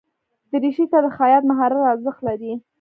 دریشي ته د خیاط مهارت ارزښت لري.